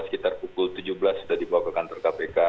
sekitar pukul tujuh belas sudah dibawa ke kantor kpk